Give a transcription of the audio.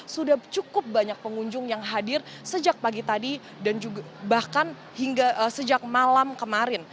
sudah cukup banyak pengunjung yang hadir sejak pagi tadi dan juga bahkan hingga sejak malam kemarin